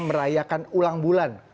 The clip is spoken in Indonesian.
merayakan ulang bulan